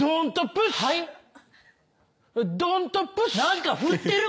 何か振ってる？